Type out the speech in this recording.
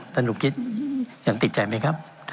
ท่านสมคิตอย่างติดใจไหมครับ